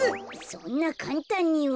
そんなかんたんには。